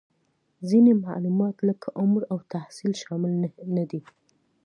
ځینې معلومات لکه عمر او تحصیل شامل نهدي